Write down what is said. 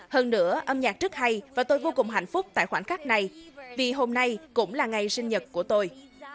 hơn nữa âm nhạc rất hay và tôi vô cùng hạnh phúc tại khoảnh khắc này vì hôm nay cũng là ngày sinh nhật của tôi